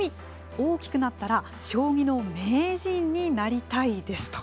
大きくなったら将棋の名人になりたいですと。